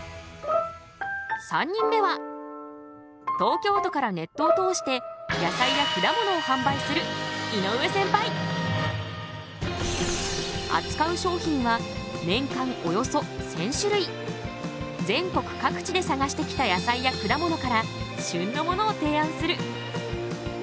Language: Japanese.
３人目は東京都からネットを通して野菜や果物を販売するあつかう商品は全国各地で探してきた野菜や果物から旬のものを提案する。